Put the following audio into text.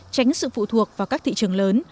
tránh sự phụ thuộc vào các thị trường lớn